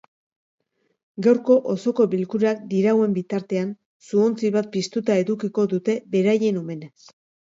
Gaurko osoko bilkurak dirauen bitartean su-ontzi bat piztuta edukiko dute beraien omenez.